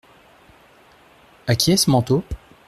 À qui est ce manteau ?